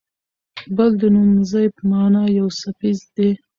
بل د نومځي په مانا یو څپیز دی.